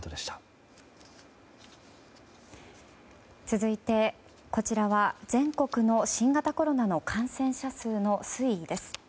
続いて、こちらは全国の新型コロナの感染者数の推移です。